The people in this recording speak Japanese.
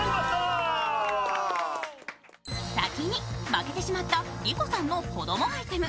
先に負けてしまった理子さんの子供アイテム。